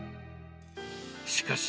しかし、